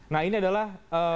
nah ini adalah